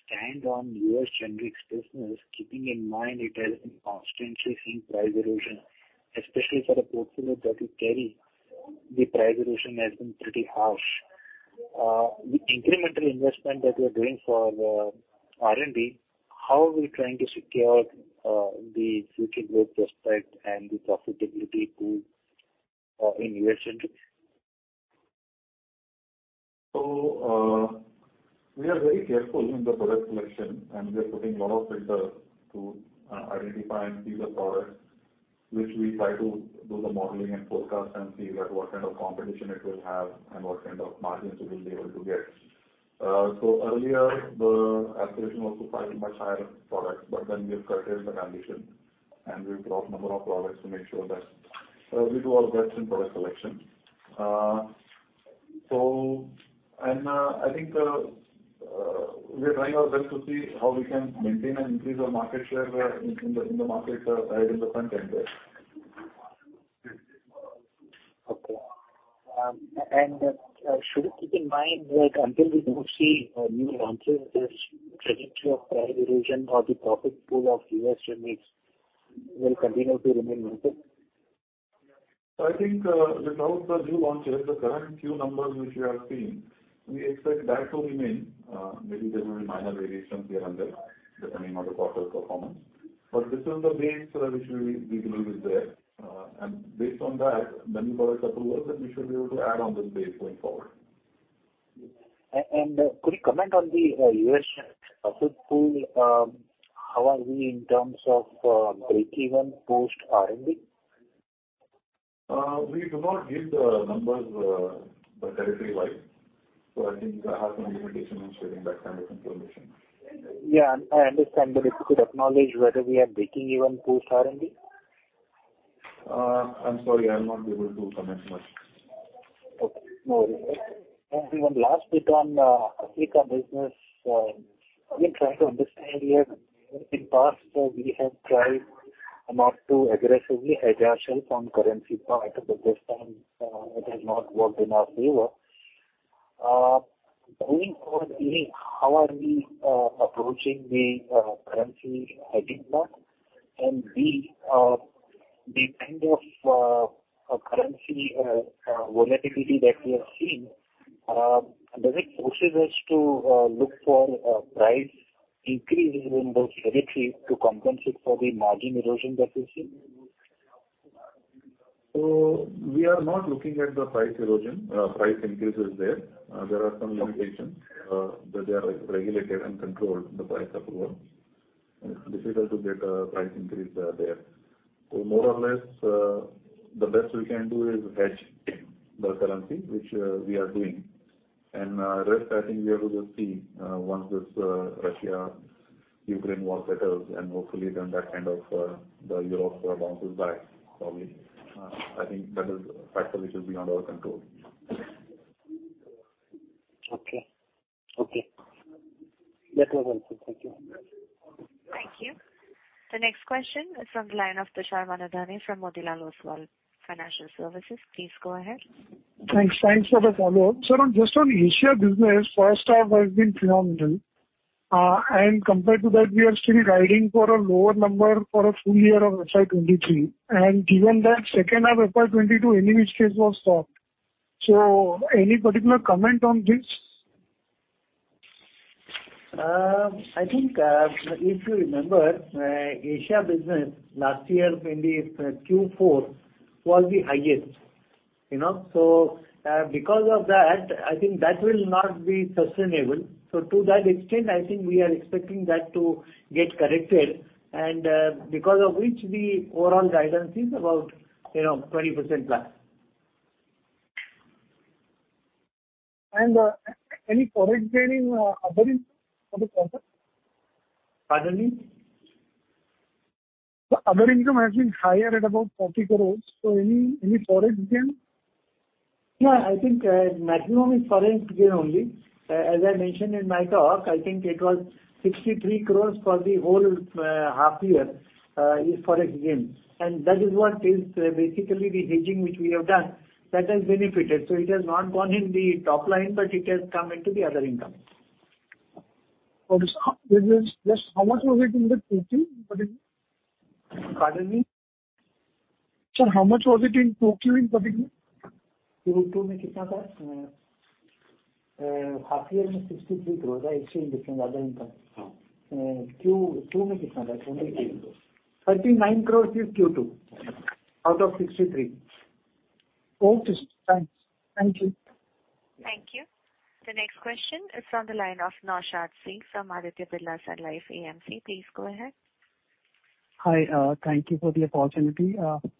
stand on U.S. generics business, keeping in mind it has been constantly seeing price erosion, especially for the portfolio that you carry, the price erosion has been pretty harsh. The incremental investment that you are doing for R&D, how are we trying to secure the future growth prospect and the profitability pool in U.S. generics? We are very careful in the product selection, and we are putting lot of filters to identify and see the products which we try to do the modeling and forecast and see that what kind of competition it will have and what kind of margins we will be able to get. Earlier the aspiration was to price much higher products, but then we have curtailed the ambition, and we've dropped number of products to make sure that we do our best in product selection. I think we are trying our best to see how we can maintain and increase our market share in the markets where we have a front end there. Should we keep in mind that until we don't see new launches, this trajectory of price erosion or the profit pool of U.S. generics will continue to remain negative? I think, without the new launches, the current Q numbers which you have seen, we expect that to remain. Maybe there will be minor variations here and there depending on the quarter performance. This is the base, which will be, we believe, is there. Based on that, then if our approval works then we should be able to add on this base going forward. Could you comment on the U.S. profit pool? How are we in terms of break-even post R&D? We do not give the numbers by territory-wise. I think I have some limitation in sharing that kind of information. Yeah, I understand. If you could acknowledge whether we are breaking even post R&D. I'm sorry, I'll not be able to comment much. Okay. No worries. One last bit on Africa business. We try to understand here. In past, we have tried not to aggressively hedge ourselves on currency part, but this time, it has not worked in our favor. Going forward, A, how are we approaching the currency hedging now? B, the kind of currency volatility that we are seeing, does it forces us to look for price increases in those territories to compensate for the margin erosion that we're seeing? We are not looking at the price erosion, price increases there. There are some limitations that they are regulated and controlled, the price approval. It's difficult to get a price increase there. More or less, the best we can do is hedge the currency, which we are doing. Rest I think we are able to see once this Russia-Ukraine war settles and hopefully then that kind of the Europe bounces back for me. I think that is a factor which is beyond our control. Okay. Okay. That was all. Thank you. Thank you. The next question is from the line of Tushar Manudhane from Motilal Oswal Financial Services. Please go ahead. Thanks. Thanks for the follow-up. Sir, on just on Asia business, first half has been phenomenal. Compared to that, we are still guiding for a lower number for a full year of FY 2023. Given that second half FY 2022, in any case was soft. Any particular comment on this? I think if you remember Asia business last year, maybe it's Q4 was the highest, you know? Because of that, I think that will not be sustainable. To that extent, I think we are expecting that to get corrected and because of which the overall guidance is about 20%+. Any foreign gain in other income for the quarter? Pardon me? Other income has been higher at about 40 crores. Any foreign gain? No, I think maximum is foreign gain only. As I mentioned in my talk, I think it was 63 crore for the whole half year is foreign gain. That is what is basically the hedging which we have done, that has benefited. It has not gone in the top line, but it has come into the other income. How much was it in the Q2 in particular? Pardoning? Sir, how much was it in Q2 in particular? Q2, half year 63 crores Oh. Q2 39 crores is Q2. Out of 63. Okay. Thanks. Thank you. Thank you. The next question is from the line of Naushad Singh from Aditya Birla Sun Life AMC. Please go ahead. Hi, thank you for the opportunity.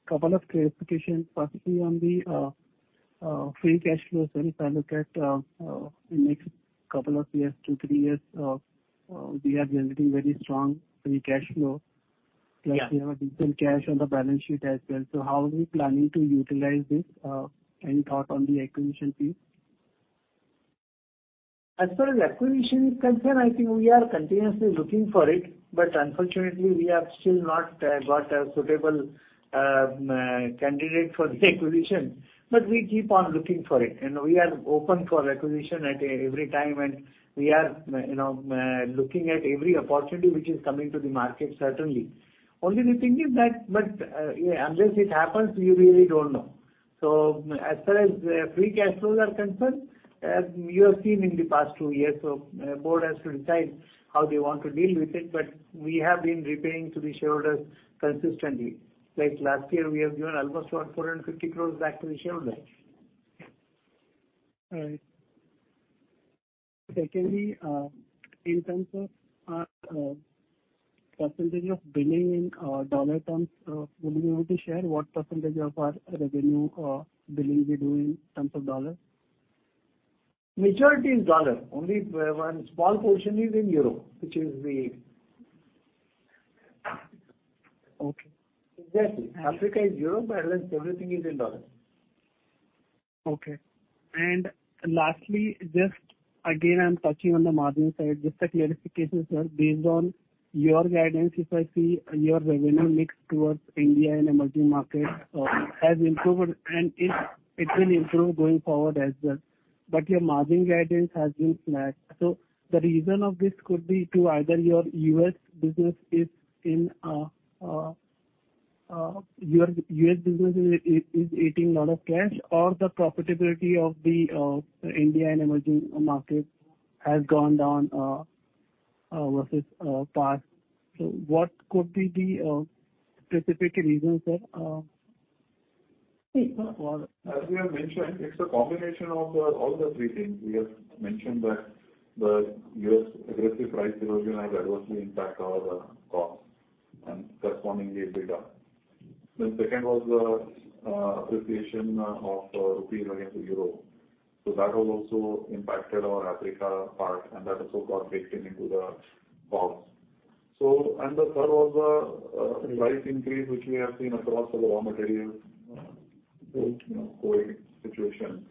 Couple of clarifications, firstly on the free cash flows. When we look at in next couple of years, two, three years, we are generating very strong free cash flow. Yeah. Plus we have a decent cash on the balance sheet as well. How are we planning to utilize this? Any thought on the acquisition piece? As far as acquisition is concerned, I think we are continuously looking for it, but unfortunately, we have still not got a suitable candidate for the acquisition. We keep on looking for it. We are open for acquisition at every time, and we are, you know, looking at every opportunity which is coming to the market certainly. Only the thing is that unless it happens, we really don't know. As far as free cash flows are concerned, you have seen in the past two years, board has to decide how they want to deal with it, but we have been repaying to the shareholders consistently. Like last year, we have given almost 450 crore back to the shareholders. All right. Secondly, in terms of percentage of billing in dollar terms, would you be able to share what percentage of our revenue billing we do in terms of dollar? Majority is dollar. Only one small portion is in euro, which is the Okay. Exactly. Yeah. Africa is euro, but else everything is in dollar. Okay. Lastly, just again, I'm touching on the margin side. Just a clarification, sir. Based on your guidance, if I see your revenue mix towards India and emerging markets has improved and it will improve going forward as well. Your margin guidance has been flat. The reason for this could be either your U.S. business is eating a lot of cash or the profitability of India and emerging markets has gone down versus past. What could be the specific reasons there? As we have mentioned, it's a combination of all the three things. We have mentioned that the U.S. aggressive price erosion has adversely impact our costs and correspondingly EBITDA. The second was the appreciation of rupee against the euro. That has also impacted our Africa part and that also got baked into the costs. The third was the price increase which we have seen across the raw materials, you know, COVID situation.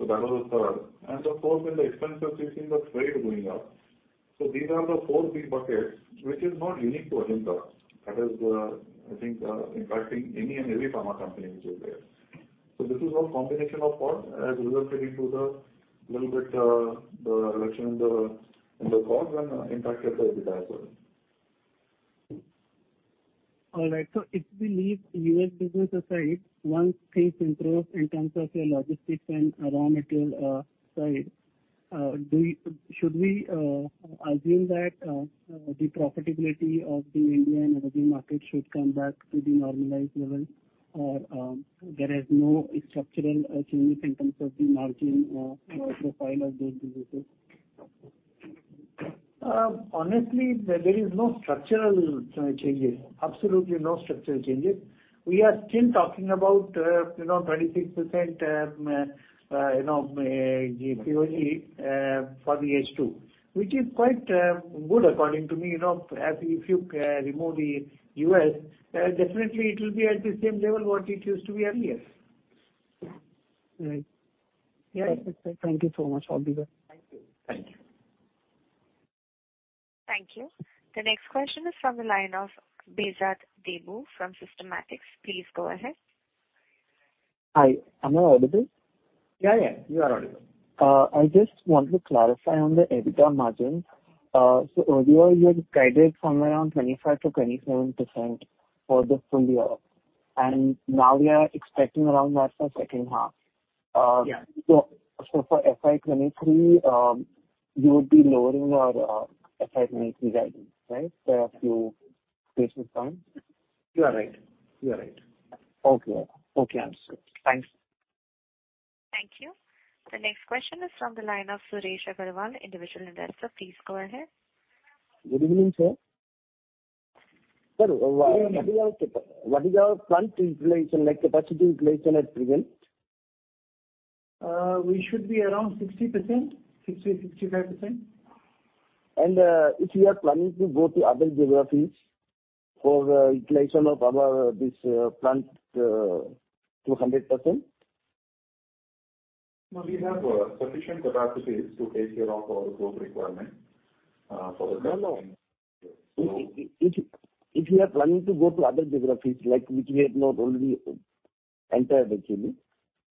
That was the third. Of course, with the expense we've seen the freight going up. These are the four big buckets which is not unique to Ajanta. That is, I think, impacting any and every pharma company which is there. This is all combination of costs has resulted into the little bit, the reduction in the costs and impacted the EBITDA as well. All right. If we leave U.S. business aside, once things improve in terms of your logistics and raw material side, should we assume that the profitability of the India and emerging markets should come back to the normalized level? Or there is no structural changes in terms of the margin profile of those businesses? Honestly, there is no structural changes. Absolutely no structural changes. We are still talking about, you know, 26%, you know, EPS, for the H2, which is quite good according to me. You know, as if you remove the U.S., definitely it will be at the same level what it used to be earlier. Right. Yeah. Thank you so much. All the best. Thank you. Thank you. Thank you. The next question is from the line of Behzad Deboo from Systematix. Please go ahead. Hi. Am I audible? Yeah, yeah, you are audible. I just want to clarify on the EBITDA margin. Earlier you had guided somewhere around 25%-27% for the full year. Now we are expecting around that for second half. Yeah. For FY 23, you would be lowering our FY 23 guidance, right? By a few basis points. You are right. You are right. Okay. Okay. Thanks. Thank you. The next question is from the line of Suresh Agarwal, Individual Investor. Please go ahead. Good evening, sir. Sir, what is our plant utilization, like capacity utilization at present? We should be around 60%-65%. If we are planning to go to other geographies for utilization of our this plant to 100%? No, we have sufficient capacities to take care of our growth requirement for the near line. If you are planning to go to other geographies like which we have not already entered actually.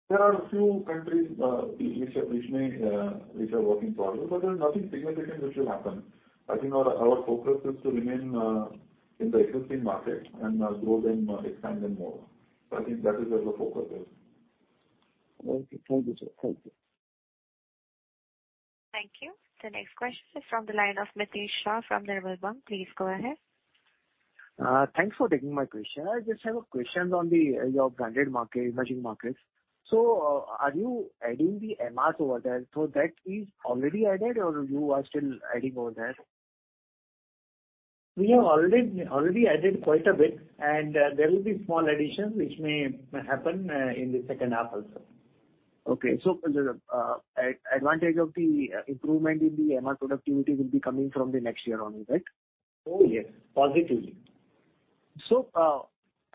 There are a few countries which we are working towards. There's nothing significant which will happen. I think our focus is to remain in the existing market and grow them, expand them more. I think that is where the focus is. Thank you. Thank you, sir. Thank you. Thank you. The next question is from the line of Mitesh Shah from Nirmal Bang. Please go ahead. Thanks for taking my question. I just have a question on your branded market, emerging markets. Are you adding the MRs over there? That is already added or you are still adding over there? We have already added quite a bit, and there will be small additions which may happen in the second half also. Okay. The advantage of the improvement in the MR productivity will be coming from the next year on, is that? Oh, yes. Positively.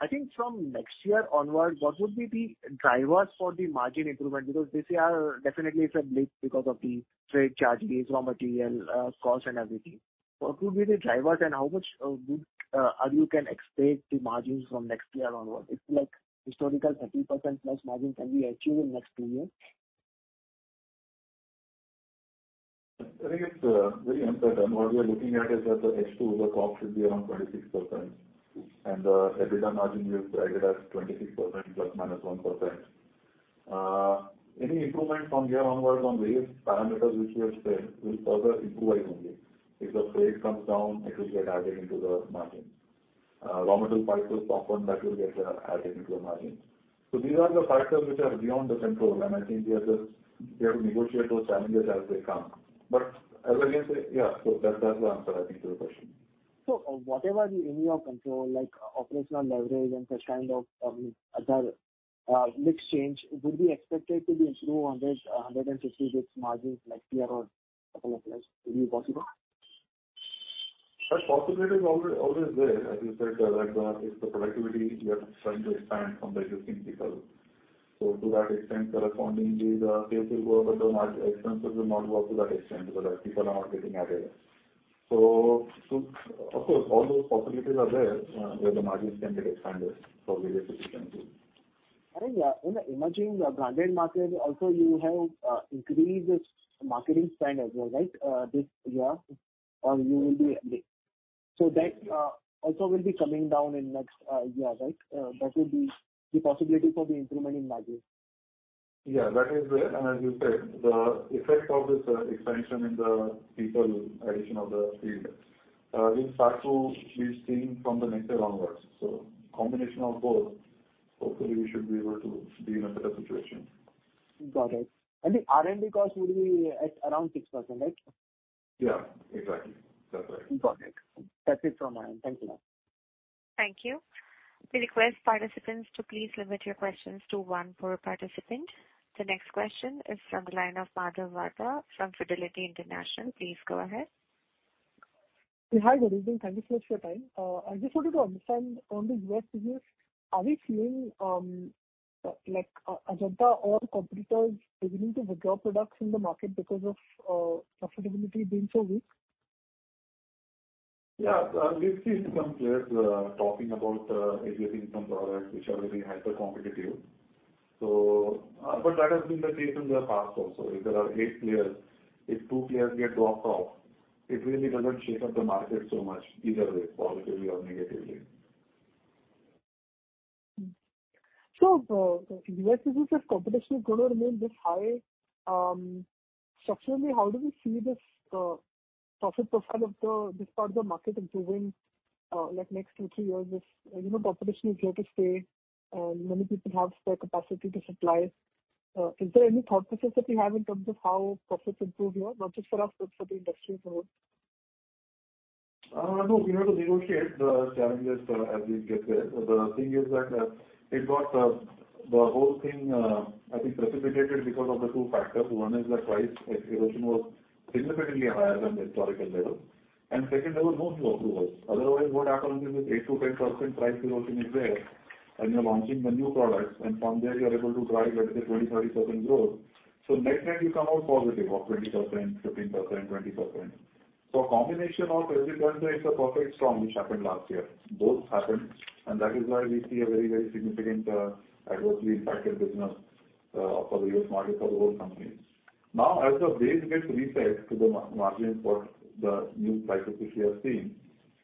I think from next year onwards, what would be the drivers for the margin improvement? Because this year definitely it's a blip because of the freight charges, raw material cost and everything. What would be the drivers and how much would you can expect the margins from next year onwards? It's like historical 30%+ margin can be achieved in next two years. I think it's very uncertain. What we are looking at is that the H2, the COGS will be around 26%. The EBITDA margin is guided as 26% ±1%. Any improvement from here onwards on various parameters which you have said will further improve our margin. If the freight comes down, it will get added into the margin. Raw material prices come down, that will get added into the margin. These are the factors which are beyond the control, and I think we have to negotiate those challenges as they come. As I can say, yeah, so that's the answer, I think, to your question. whatever is in your control, like operational leverage and such kind of, I mean, other, mix change, would we expect it to be improved on this 150 basis margins next year or couple of years? Will it be possible? That possibility is always there. As you said, like the, if the productivity we are trying to expand from the existing people. To that extent, correspondingly, the sales will go up and the marketing expenses will not go up to that extent because people are not getting added. Of course, all those possibilities are there, where the margins can get expanded for various reasons. Yeah, in the emerging branded market also you have increased marketing spend as well, right? This year or you will be. That also will be coming down in next year, right? That would be the possibility for the improvement in margins. Yeah, that is there. As you said, the effect of this expansion in the addition of people in the field will start to be seen from the next year onwards. Combination of both, hopefully we should be able to be in a better situation. Got it. The R&D cost would be at around 6%, right? Yeah, exactly. That's right. Got it. That's it from my end. Thank you. Thank you. We request participants to please limit your questions to one per participant. The next question is from the line of Madhav Bhatta from Fidelity International. Please go ahead. Hi, good evening. Thank you so much for your time. I just wanted to understand on the U.S. business, are we seeing, like, Ajanta or competitors beginning to withdraw products in the market because of affordability being so weak? We've seen some players talking about exiting some products which are very hyper-competitive. That has been the case in the past also. If there are eight players, if two players get dropped off, it really doesn't shake up the market so much either way, positively or negatively. U.S. business' competition is gonna remain this high. Structurally, how do we see this profit profile of this part of the market improving like next two, three years if you know competition is here to stay, many people have the capacity to supply. Is there any thought process that you have in terms of how profits improve here, not just for us, but for the industry as a whole? No, we have to negotiate the challenges as we get there. The thing is that it got the whole thing I think precipitated because of the two factors. One is the price erosion was significantly higher than the historical level. Second, there were no new approvals. Otherwise, what happens is with 8%-10% price erosion is there, and you're launching the new products, and from there you are able to drive, let's say, 20%, 30% growth. Net-net you come out positive of 20%, 15%, 20%. A combination of every trend there is a perfect storm which happened last year. Both happened, and that is why we see a very, very significant adversely impacted business for the U.S. market for the whole company. Now, as the base gets reset to the margins for the new prices which we have seen,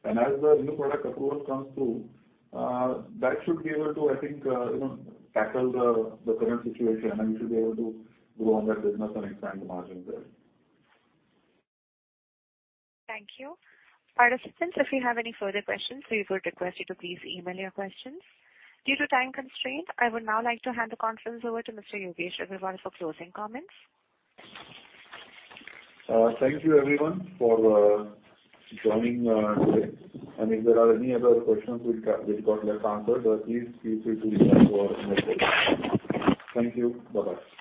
and as the new product approvals comes through, that should be able to, I think, you know, tackle the current situation, and we should be able to grow on that business and expand the margins there. Thank you. Participants, if you have any further questions, we would request you to please email your questions. Due to time constraint, I would now like to hand the conference over to Mr. Yogesh Agrawal for closing comments. Thank you everyone for joining today. If there are any other questions which got left unanswered, please feel free to reach out to our investor relations. Thank you. Bye-bye.